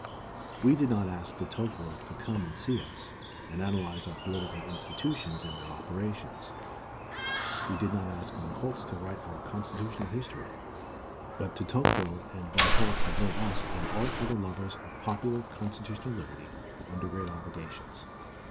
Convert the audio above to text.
We did not ask De Tocqueville to come and see us and analyze our political institutions and their operations. We did not ask Von Holst to write our constitutional history. But De Tocqueville and Von Holst have laid us and all other lovers of popular constitutional liberty under great obligations.